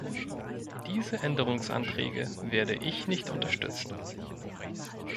Diese Änderungsanträge werde ich nicht unterstützen.